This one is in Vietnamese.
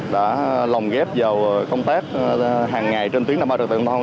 đã lòng ghép vào công tác hàng ngày trên tuyến đa ba trạm tượng giao thông